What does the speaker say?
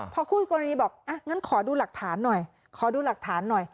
พอคู่กรณีบอกอ่ะงั้นขอดูหลักฐานหน่อยขอดูหลักฐานหน่อย